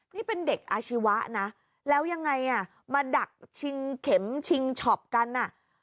นี่เป็นเด็กอาชีวะนะแล้วยังไงอ่ะมาดักชิงเข็มชิงช็อปกันอ่ะ